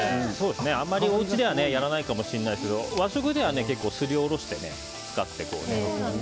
おうちではやらないかもしれないですけど和食では、すりおろして使って。